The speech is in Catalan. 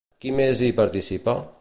Qui més hi participa?